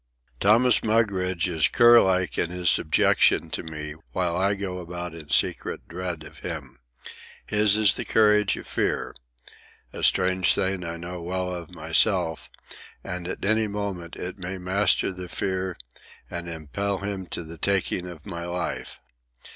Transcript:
Thomas Mugridge is cur like in his subjection to me, while I go about in secret dread of him. His is the courage of fear,—a strange thing I know well of myself,—and at any moment it may master the fear and impel him to the taking of my life.